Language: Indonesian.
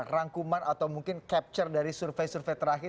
rangkuman atau mungkin capture dari survei survei terakhir